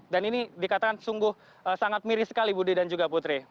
dan ini dikatakan sungguh sangat miris sekali budi dan juga putri